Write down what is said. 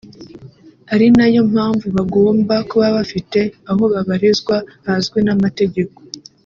ari nayo mpamvu bagomba kuba bafite aho babarizwa hazwi n’amategeko